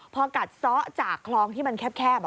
พอกัดซ้อจากคลองที่มันแคบ